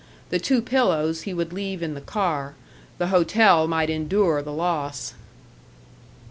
The two pillows he would leave in the car; the hotel might endure the loss!